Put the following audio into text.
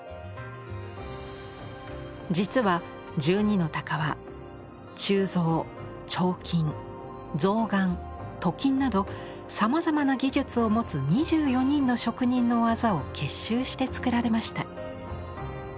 実は「十二の鷹」はなどさまざまな技術を持つ２４人の職人の技を結集して作られました。